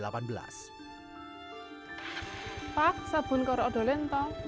pak sabun koro ada lintang